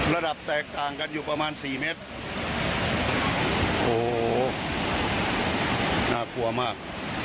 ระดับแตกต่างกันอยู่ประมาณสี่เมตรโอ้โหน่ากลัวมาก